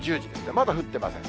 まだ降ってません。